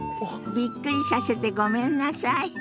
びっくりさせてごめんなさい。